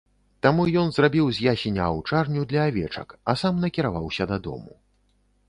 Таму ён зрабіў з ясеня аўчарню для авечак, а сам накіраваўся дадому.